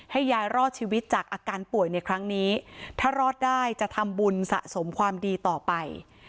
ให้ยายรอดชีวิตจากอาการป่วยในครั้งนี้ถ้ารอดได้จะทำบุญสะสมความดีต่อไป